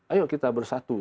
ayo kita bersatu